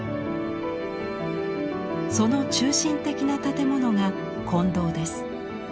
その中心的な建物が金堂です。